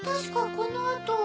このあと。